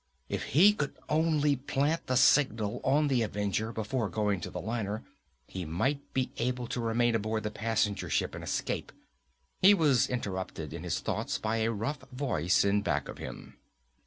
If he could only plant the signal on the Avenger before going to the liner, he might be able to remain aboard the passenger ship and escape. He was interrupted in his thoughts by a rough voice in back of him.